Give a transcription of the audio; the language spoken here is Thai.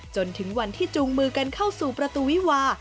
จนถึงวันที่จูงมือกันเข้าสู่ประตูวิวา